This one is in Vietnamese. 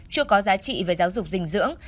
chưa có giá trị về giáo dục dinh dưỡng